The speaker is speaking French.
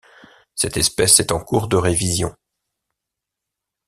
Cette espèce est en cours de révision.